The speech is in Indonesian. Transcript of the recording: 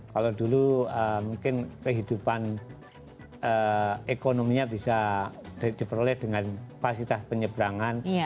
kalau dulu mungkin kehidupan ekonominya bisa diperoleh dengan fasilitas penyebrangan